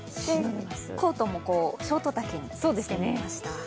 コートもショート丈にしてみました。